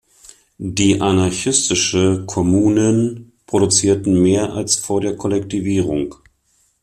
Die anarchistische Kommunen produzierten mehr als vor der Kollektivierung.